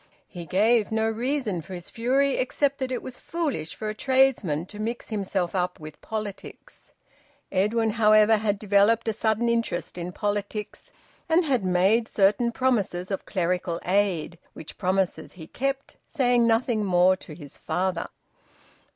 He gave no reason for his fury, except that it was foolish for a tradesman to mix himself up with politics. Edwin, however, had developed a sudden interest in politics, and had made certain promises of clerical aid, which promises he kept, saying nothing more to his father.